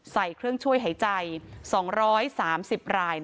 ใส่เครื่องช่วยหายใจ๒๓๐ราย